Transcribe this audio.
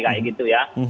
kayak gitu ya